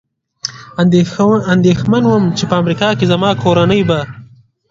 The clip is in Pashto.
اندېښمن ووم، چې په امریکا کې زما کورنۍ به.